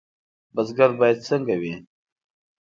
بزګر باید څنګه وي؟